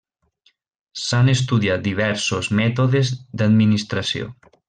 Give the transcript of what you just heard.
S'han estudiat diversos mètodes d'administració.